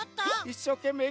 いっしょうけんめい。